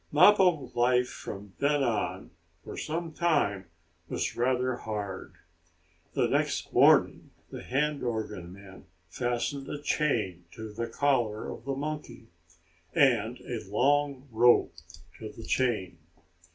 Mappo's life from then on, for some time, was rather hard. The next morning the hand organ man fastened a chain to the collar of the monkey, and a long rope to the chain.